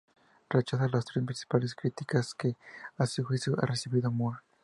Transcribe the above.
Rechaza las tres principales críticas que, a su juicio, ha recibido Moa.